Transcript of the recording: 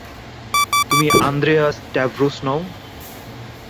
তুমি Andrea Stavros নও?